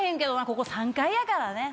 ここ３階やからね。